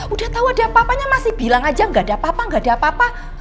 udah tau ada apa apanya masih bilang aja gak ada apa apa nggak ada apa apa